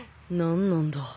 何なんだ？